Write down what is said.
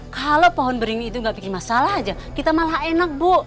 kalau formeringin itu gak bikin masalah aja kita malah enak bu